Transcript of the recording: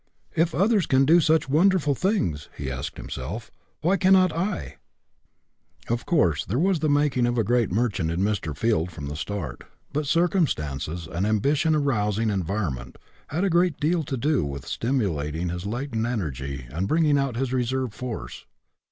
" If others can do such wonderful things," he asked himself, " why cannot I ?" 19 20 GETTING AROUSED Of course, there was the making of a great merchant in Mr. Field from the start; but circumstances, an ambition arousing environ ment, had a great deal to do with stimulating his latent energy and bringing out his reserve force.